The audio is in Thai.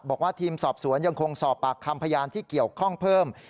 บอกว่าทีมสอบสวนยังคงสอบปากคำพยานที่เกี่ยวข้องเพิ่ม